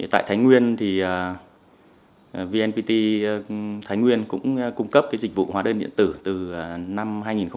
tại thái nguyên thì vnpt cũng cung cấp dịch vụ hóa đơn điện tử từ năm hai nghìn một mươi ba